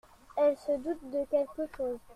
Elle se doute de quelque chose !